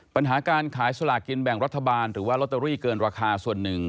ปัญหาการขายสลากินแบ่งรัฐบาลหรือว่าลอตเตอรี่เกินราคาส่วนหนึ่ง